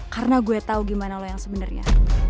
karena gue tau gimana lo yang sebenarnya